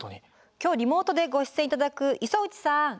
今日リモートでご出演頂く磯打さん。